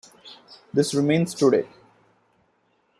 This remains today.